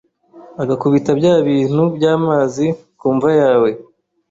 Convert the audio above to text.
agakubita bya bintu by’amazi ku mva yawe